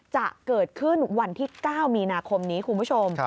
จะเกิดขึ้นวันที่๙มีนาคมนี้คุณผู้ชม